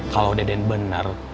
kalau deden benar